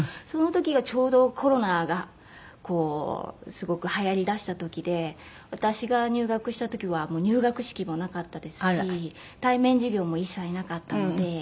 その時がちょうどコロナがこうすごく流行りだした時で私が入学した時は入学式もなかったですし対面授業も一切なかったので。